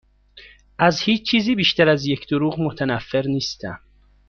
از هیچ چیزی بیشتر از یک دروغگو متنفر نیستم.